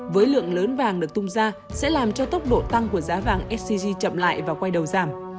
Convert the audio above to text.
với lượng lớn vàng được tung ra sẽ làm cho tốc độ tăng của giá vàng sgc chậm lại và quay đầu giảm